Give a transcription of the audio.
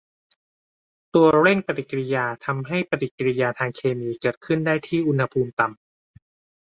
ตัวเร่งปฏิกิริยาทำให้ปฏิกิริยาทางเคมีเกิดขึ้นได้ที่อุณหภูมิต่ำ